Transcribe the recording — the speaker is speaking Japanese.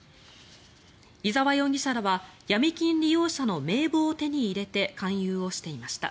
居澤容疑者らはヤミ金利用者の名簿を手に入れて勧誘をしていました。